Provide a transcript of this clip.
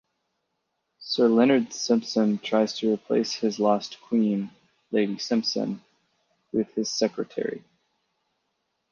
Sir Leonard Simpson tries to replace his lost Queen (Lady Simpson) with his secretary.